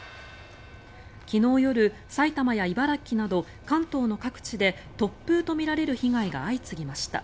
昨日夜、埼玉や茨城など関東の各地で突風とみられる被害が相次ぎました。